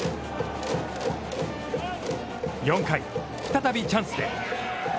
４回再びチャンスで。